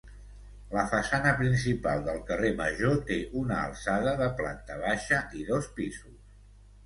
La façana principal del carrer Major té una alçada de planta baixa i dos pisos.